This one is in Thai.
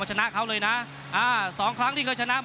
สวัสดีครับ